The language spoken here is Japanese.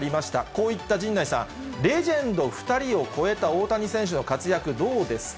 こういった陣内さん、レジェンド２人を超えた大谷選手の活躍、どうですか？